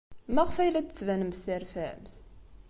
Maɣef ay la d-tettbanemt terfamt?